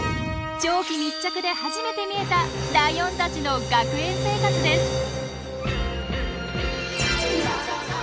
長期密着で初めて見えたライオンたちの学園生活です。